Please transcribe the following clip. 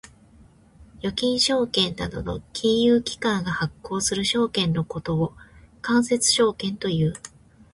預金証券などの金融機関が発行する証券のことを間接証券という。